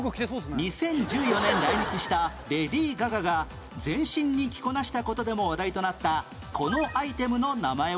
２０１４年来日したレディー・ガガが全身に着こなした事でも話題となったこのアイテムの名前は？